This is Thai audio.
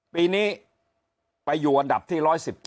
ปีนี้ไปอยู่อันดับที่๑๑๗